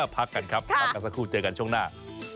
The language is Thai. พักกันครับพักกันสักครู่เจอกันช่วงหน้า